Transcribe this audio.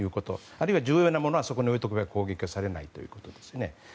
あるいは重要なものはそこに置いておけば攻撃をされないということですね。